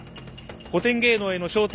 「古典芸能への招待」